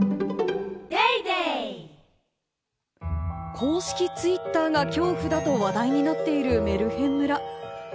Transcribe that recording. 公式ツイッターが恐怖だと話題になっているメルヘン村。